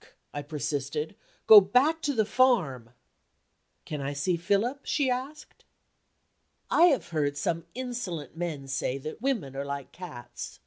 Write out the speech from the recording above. I persisted. "Go back to the farm!" "Can I see Philip?" she asked. I have heard some insolent men say that women are like cats.